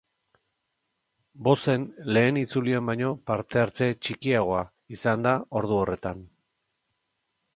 Bozen lehen itzulian baino parte-hartze txikiagoa izan da ordu horretan.